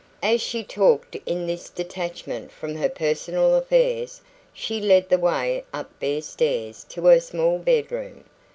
As she talked in this detachment from her personal affairs, she led the way up bare stairs to her small bedroom.